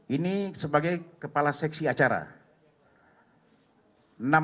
ini sebagai kepala seksi acara